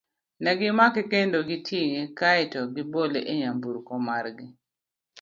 Ne gimake kendo tinge kae to gibole e nyamburko mar gi.